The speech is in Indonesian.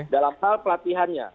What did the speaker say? dalam hal pelatihannya